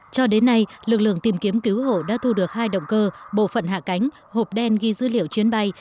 cho đến nay lực lượng tìm kiếm cứu hộ đã thu được hai động cơ bộ phận hạ cánh hộp đen ghi dữ liệu chuyến bay